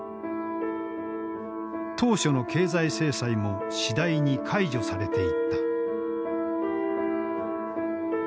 当初の経済制裁も次第に解除されていった。